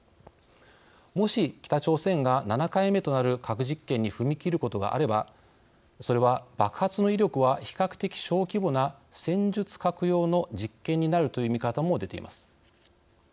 もし、北朝鮮が７回目となる核実験に踏み切ることがあればそれは、爆発の威力は比較的、小規模な戦術核用の実験になるという見方も出ています。